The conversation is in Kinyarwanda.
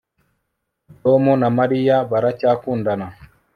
Tom na Mariya baracyakundana